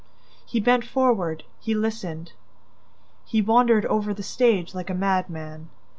He bent forward, he listened, ... he wandered over the stage like a madman.